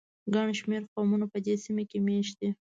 ګڼ شمېر قومونه په دې سیمه کې مېشت دي.